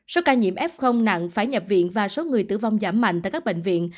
số ca nhiễm f nặng phải nhập viện và số người tử vong giảm mạnh tại các bệnh viện